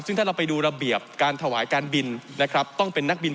เพราะมันก็มีเท่านี้นะเพราะมันก็มีเท่านี้นะ